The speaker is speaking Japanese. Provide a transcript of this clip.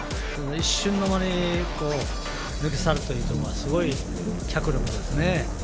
一瞬の間に抜き去るというのがすごい脚力ですよね。